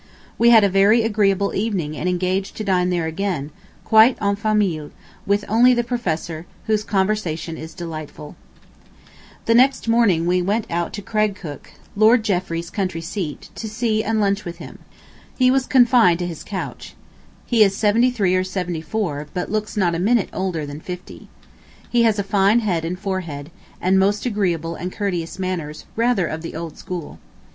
We had a very agreeable evening and engaged to dine there again quite en famille, with only the professor, whose conversation is delightful. [Picture: Lady Peel. After Sir T. Lawrence, R. A.; photograph copyright by W. Mansell & Co., London] The next morning we went out to Craigcrook, Lord Jeffrey's country seat, to see and lunch with him. He was confined to his couch. ... He is seventy three or seventy four, but looks not a minute older than fifty. He has a fine head and forehead, and most agreeable and courteous manners, rather of the old school.